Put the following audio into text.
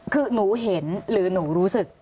คือหนูเห็นหรือหนูรู้สึก